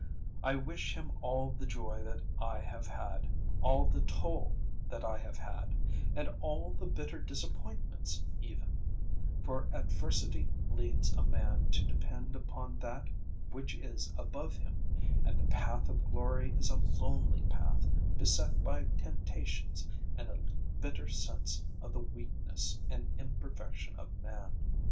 I wish him all the joy that I have had, all the toil that I have had, and all the bitter disappointments even; for adversity leads a man to depend upon that which is above him, and the path of glory is a lonely path, beset by temptations and a bitter sense of the weakness and imperfection of man.